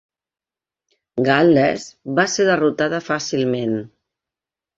Gal·les va ser derrotada fàcilment.